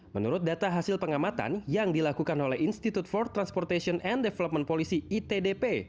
menurut data hasil pengamatan yang dilakukan oleh institute for transportation and development policy itdp